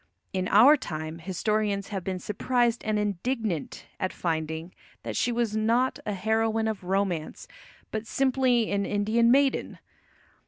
In our time historians have been surprised and indignant at finding that she was not a heroine of romance, but simply an Indian maiden.